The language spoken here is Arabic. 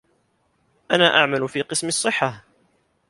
أنا أعمل في قسم الصّحّة.